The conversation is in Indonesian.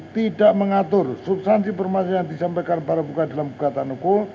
tidak mengatur subsansi permasakan yang disampaikan para punggat dalam bukaan